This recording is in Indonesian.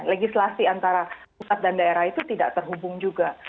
legislasi antara pusat dan daerah itu tidak terhubung juga